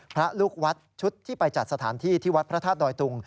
พระลูกวัดชุดที่ไปจัดสถานที่ที่วัดพระธาตุดอยตุง